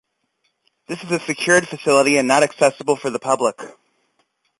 This is a secured facility and not accessible for the public.